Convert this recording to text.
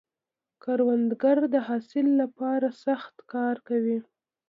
کروندګر د حاصل له پاره سخت کار کوي